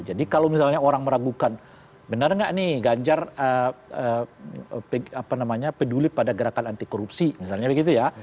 jadi kalau misalnya orang meragukan benar gak nih ganjar peduli pada gerakan anti korupsi misalnya begitu ya